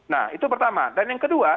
nah itu pertama dan yang kedua